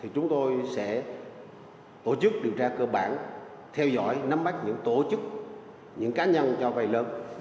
chúng tôi sẽ tổ chức điều tra cơ bản theo dõi nắm bắt những tổ chức những cá nhân cho vay lớn